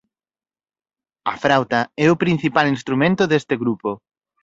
A frauta é o principal instrumento deste grupo.